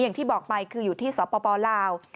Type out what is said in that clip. อย่างที่บอกไปคืออยู่ที่สปลาว